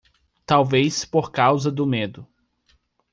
Talvez por causa do medo